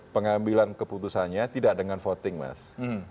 pengambilan keputusannya tidak dengan voting mas